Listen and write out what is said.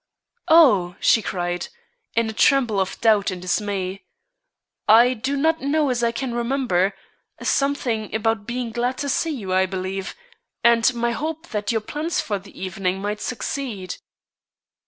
"Oh!" she cried, in a tremble of doubt and dismay, "I do not know as I can remember; something about being glad to see you, I believe, and my hope that your plans for the evening might succeed."